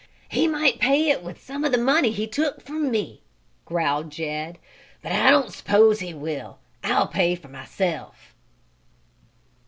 "He might pay it with some of the money he took from me," growled Jed, "but I don't s'pose he will! I'll pay for myself!"